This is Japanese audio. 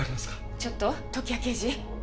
ちょっと時矢刑事？